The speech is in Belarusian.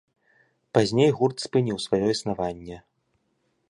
Пазней гурт спыніў сваё існаванне.